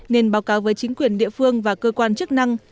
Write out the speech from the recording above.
nên báo cáo với chính quyền địa phương và cơ quan chức năng